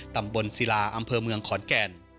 ตำบลศิลาอำเภอเมืองขอนแก่น